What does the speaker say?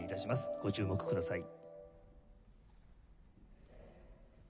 ご注目ください。